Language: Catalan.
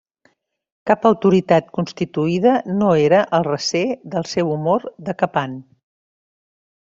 Cap autoritat constituïda no era al recer del seu humor decapant.